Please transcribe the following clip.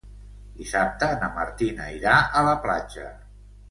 Dissabte na Martina irà a la platja.